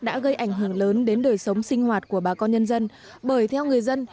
đã gây ảnh hưởng lớn đến đời sống sinh hoạt của bà con nhân dân bởi theo người dân